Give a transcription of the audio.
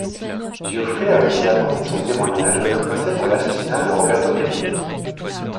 Giuffrè a aussi apporté son témoignage dans le procès pour l'assassinat de Roberto Calvi.